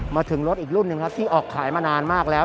มาถึงรถอีกรุ่นหนึ่งครับที่ออกขายมานานมากแล้ว